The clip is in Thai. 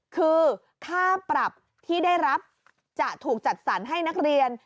คือค่าปรับที่ได้รับจะถูกจัดสรรให้นักเรียน